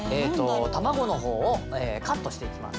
卵の方をカットしていきます。